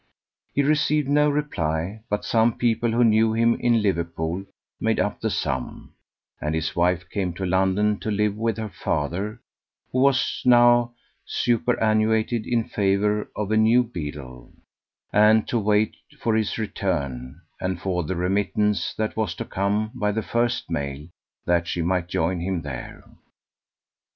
He received no reply, but some people who knew him in Liverpool made up the sum, and his wife came to London to live with her father (who was now superannuated in favour of a new beadle), and to wait for his return, or for the remittance that was to come by the first mail, that she might join him there.